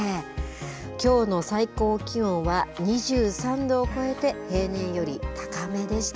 きょうの最高気温は２３度を超えて、平年より高めでした。